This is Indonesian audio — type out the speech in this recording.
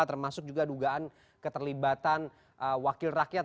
termasuk juga dugaan keterlibatan wakil rakyat